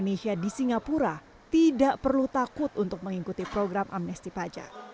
pemerintah indonesia meminta warga negara indonesia di singapura tidak perlu takut untuk mengikuti program amnesti pajak